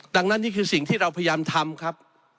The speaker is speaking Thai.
ดังนั้นนี่คือสิ่งที่เราพยายามทำครับ